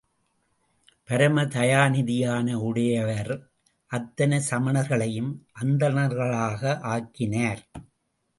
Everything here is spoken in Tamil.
பரம தயாநிதியான உடையவர் அத்தனை சமணர்களையும் அந்தணர்களாக ஆக்கினார்.